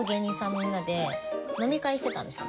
みんなで飲み会してたんですよ。